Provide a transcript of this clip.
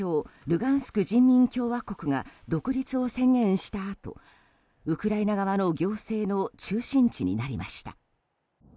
ルガンスク人民共和国が独立を宣言したあとウクライナ側の行政の中心地になりました。